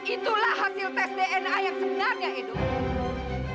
itulah hasil tes dna yang sebenarnya hidup